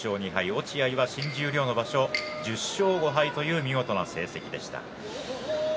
落合は新十両の場所１０勝５敗と見事な成績でした。